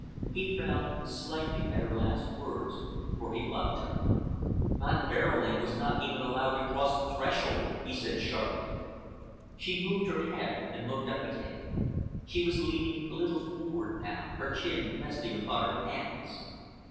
He frowned slightly at her last words, for he loved her. "Von Behrling was not even allowed to cross the threshold," he said sharply. She moved her head and looked up at him. She was leaning a little forward now, her chin resting upon her hands.